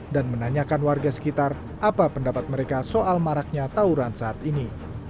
dan menanyakan warga sekitar apa pendapat mereka soal maraknya tawuran saat ini